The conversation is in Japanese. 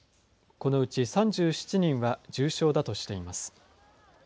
このうち３７人は重傷だとしています。